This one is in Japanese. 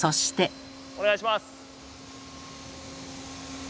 お願いします！